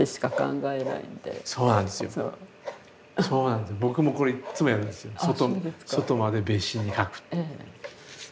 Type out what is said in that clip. そうなんですよ。